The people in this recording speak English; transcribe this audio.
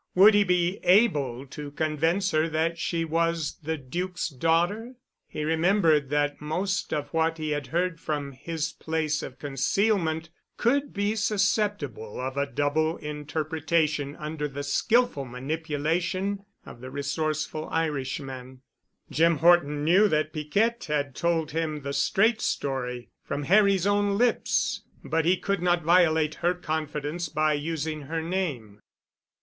Would he be able to convince her that she was the Duc's daughter? He remembered that most of what he had heard from his place of concealment could be susceptible of a double interpretation under the skillful manipulation of the resourceful Irishman. Jim Horton knew that Piquette had told him the straight story, from Harry's own lips, but he could not violate her confidence by using her name.